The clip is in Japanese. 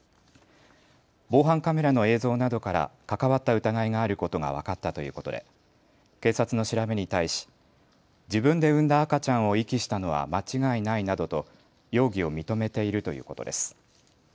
防犯カメラの映像などから関わった疑いがあることが分かったということで警察の調べに対し自分で産んだ赤ちゃんを遺棄したのは間違いないなどと容疑を認めているということです。